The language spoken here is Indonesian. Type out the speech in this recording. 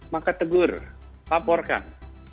maka tegur laporkan